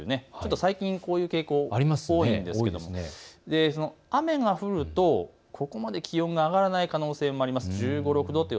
最近こういう傾向多いんですけど雨が降ると、ここまで気温が上がらない可能性もあります。